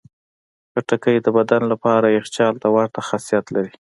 خټکی د بدن لپاره یخچال ته ورته خاصیت لري.